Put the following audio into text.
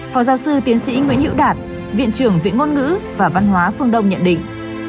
phó giáo sư tiến sĩ nguyễn hiễu đạt viện trưởng viện ngôn ngữ và văn hóa phương đông nhận định